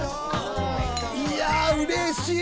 いやうれしい！